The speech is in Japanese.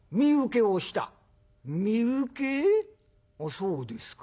そうですか。